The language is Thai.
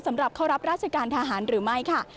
สำหรับเข้ารับราชการทหารหรือไม่ค่ะ